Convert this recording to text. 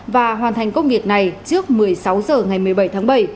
và hoàn thành công việc này trước một mươi sáu h ngày một mươi bảy tháng bảy